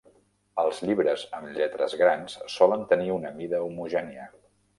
Els llibres amb lletres grans solen tenir una mida homogènia.